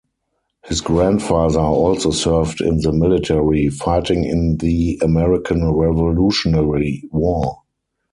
His grandfather also served in the military, fighting in the American Revolutionary War.